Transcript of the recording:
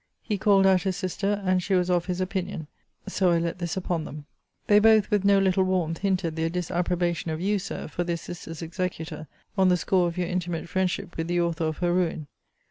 He called out his sister, and he was of his opinion. So I let this upon them. They both, with no little warmth, hinted their disapprobation of you, Sir, for their sister's executor, on the score of your intimate friendship with the author of her ruin.